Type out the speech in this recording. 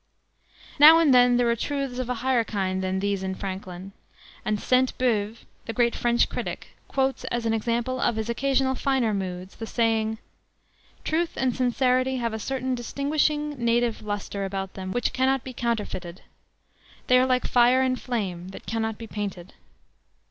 Now and then there are truths of a higher kind than these in Franklin, and Sainte Beuve, the great French critic, quotes, as an example of his occasional finer moods, the saying, "Truth and sincerity have a certain distinguishing native luster about them which cannot be counterfeited; they are like fire and flame that cannot be painted."